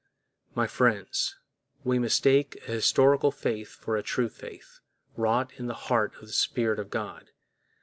My friends, we mistake a historical faith for a true faith, wrought in the heart by the Spirit of God.